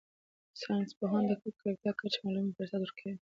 ساینس پوهانو ته د ککړتیا کچه معلومولو فرصت ورکوي